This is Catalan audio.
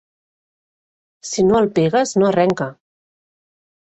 Si no el pegues, no arrenca.